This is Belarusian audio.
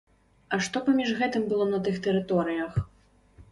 А што паміж гэтым было на тых тэрыторыях?